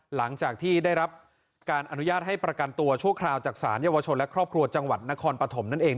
หลังจากที่ได้รับการอนุญาตให้ประกันตัวชั่วคราวจากศาลเยาวชนและครอบครัวจังหวัดนครปฐมนั่นเอง